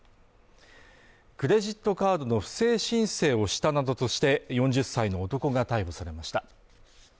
クレジットカードの不正申請をしたなどとして４０歳の男が逮捕されました。